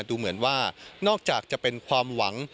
ดูเหมือนว่านอกจากจะเป็นความหวัง